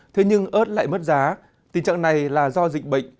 thế nhưng ớt lại mất giá tình trạng này là do dịch bệnh